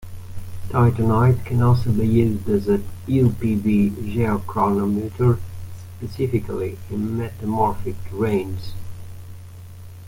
Titanite can also be used as a U-Pb geochronometer, specifically in metamorphic terranes.